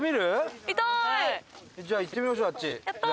じゃあ行ってみましょうあっち左。